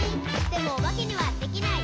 「でもおばけにはできない。」